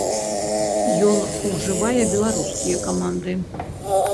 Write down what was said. Ён ўжывае беларускія каманды.